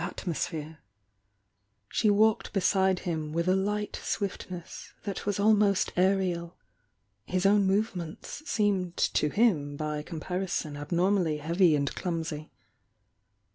fP''^'^k ^^^^'^^ b««de him with a light swiftness that was almost aerial— his own movements seemed to him by comparison abnor" mally heavy and clumsy.